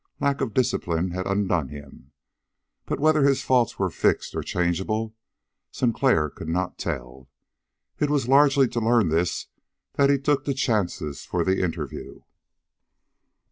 Lack of discipline had undone him; but whether his faults were fixed or changeable, Sinclair could not tell. It was largely to learn this that he took the chances for the interview.